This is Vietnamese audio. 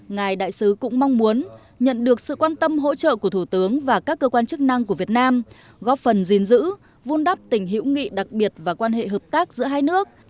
ngài đại sứ cũng mong muốn nhận được sự quan tâm hỗ trợ của thủ tướng và các cơ quan chức năng của việt nam góp phần gìn giữ vun đắp tình hữu nghị đặc biệt và quan hệ hợp tác giữa hai nước